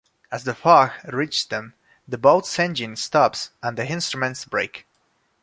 As the fog reaches them, the boat's engine stops and the instruments break.